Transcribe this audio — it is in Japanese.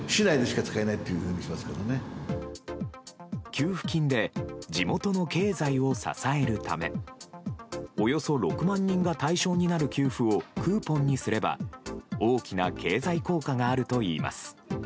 給付金で地元の経済を支えるためおよそ６万人が対象になる給付をクーポンにすれば大きな経済効果があるといいます。